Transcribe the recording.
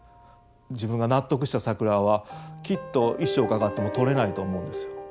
自分が納得した桜はきっと一生かかっても撮れないと思うんですよ。